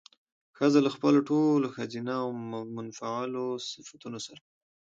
ښځه له خپلو ټولو ښځينه او منفعلو صفتونو سره